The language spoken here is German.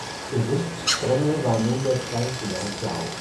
Gerichtssprengel war nun der Kreis Werdau.